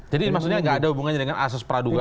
jadi maksudnya tidak ada hubungannya dengan asas praduga